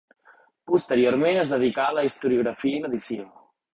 Posteriorment es dedicà a la historiografia i l'edició.